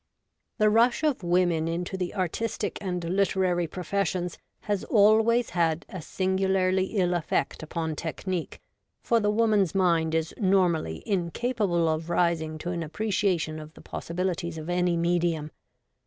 WOMAN JN ART, LITERATURE, & c. 49 The rush of women into the artistic and literary professions has always had a singularly ill effect upon technique, for the woman's mind is normally incap able of rising to an appreciation of the possibilities of any medium.